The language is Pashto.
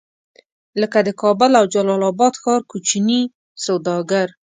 لکه د کابل او جلال اباد ښار کوچني سوداګر.